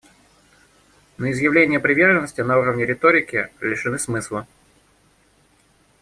Но изъявления приверженности на уровне риторики лишены смысла.